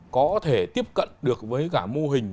có thể tiếp cận được với cả mô hình